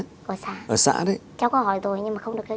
cháu có hỏi rồi nhưng mà không được trả lời